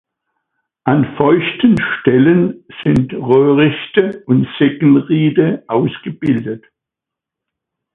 An feuchten Stellen sind Röhrichte und Seggenriede ausgebildet.